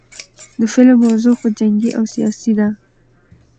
د فلم موضوع خو جنګي او سياسي ده